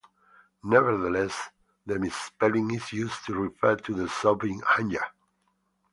Nevertheless, the misspelling is used to refer to the soup in hanja.